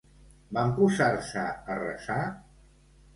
Van posar-se a resar?